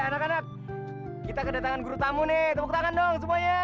anak anak kita kedatangan guru tamu nih tepuk tangan dong semuanya